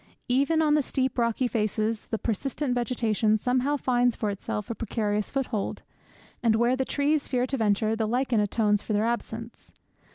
Even on the steep rocky faces the persistent vegetation somehow finds for itself a precarious foothold; and where the trees fear to venture the lichen atones for their absence.